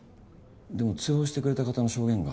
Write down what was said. でも通報してくれた方の証言が。